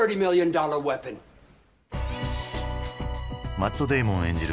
マット・デイモン演じる